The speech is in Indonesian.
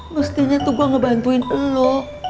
mestinya tuh gue ngebantuin lo